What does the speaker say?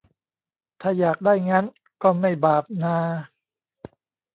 ถ้าอยากได้งั้น ก็ไม่บาปนา